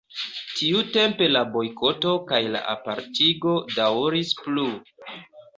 Tiutempe la bojkoto kaj la apartigo daŭris plu.